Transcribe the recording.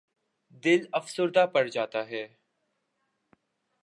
دل افسردہ پڑ جاتا ہے۔